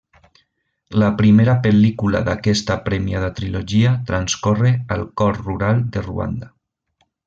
La primera pel·lícula d'aquesta premiada trilogia transcorre al cor rural de Ruanda.